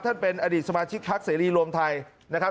ท่านเป็นอดีตสมาชิกพักเสรีรวมไทยนะครับ